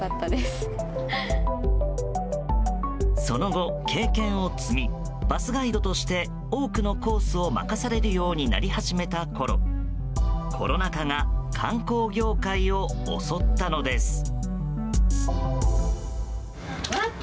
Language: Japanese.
その後、経験を積みバスガイドとして多くのコースを任されるようになり始めたころコロナ禍が観光業界を襲ったのです。